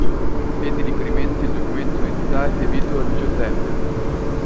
Ed i riferimenti del documento d'identità esibito dal diciottenne.